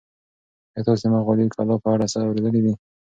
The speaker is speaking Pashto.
ایا تاسي د مغولي کلا په اړه څه اورېدلي دي؟